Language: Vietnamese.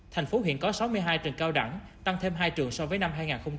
tp hcm có sáu mươi hai trường cao đẳng tăng thêm hai trường so với năm hai nghìn hai mươi hai